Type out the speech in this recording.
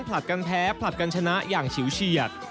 ผลัดกันแพ้ผลัดกันชนะอย่างฉิวเฉียด